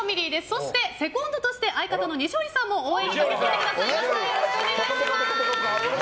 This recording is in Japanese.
そしてセコンドとして相方の西堀さんも応援に駆け付けてくださいました。